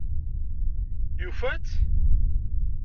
Yufa-tt?